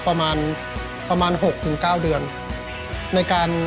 พอเราหักพอมันเจ็บแล้ว